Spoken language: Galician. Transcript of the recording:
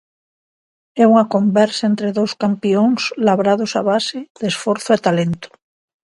É unha conversa entre dous campións labrados a base de esforzo e talento.